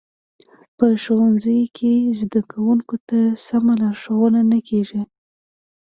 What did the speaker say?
په ښوونځیو کې زده کوونکو ته سمه لارښوونه نه کیږي